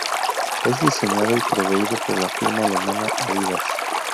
Es diseñado y proveído por la firma alemana Adidas.